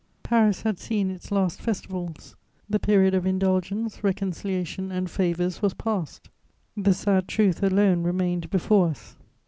Paris had seen its last festivals: the period of indulgence, reconciliation and favours was past; the sad truth alone remained before us.